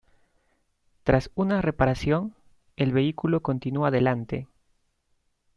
Tras una reparación, el vehículo continuó adelante.